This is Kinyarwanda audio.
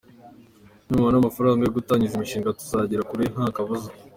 Nitubona amafaranga yo gutangiza imishinga tuzagera kure nta kabuza”.